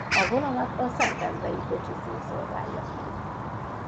A vonalat a szentendrei kocsiszín szolgálja ki.